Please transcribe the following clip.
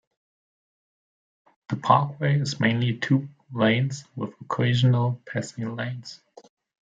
The parkway is mainly two lanes with occasional passing lanes.